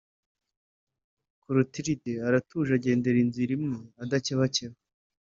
Clotilde aratuje agendera inzira imwe adakebakeba